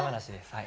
はい。